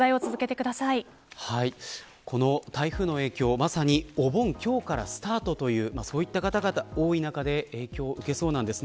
この台風の影響、まさにお盆が今日からスタートというそういった方々が多い中で影響を受けそうです。